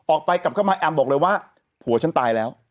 กลับเข้ามาแอมบอกเลยว่าผัวฉันตายแล้ว